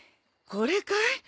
これかい？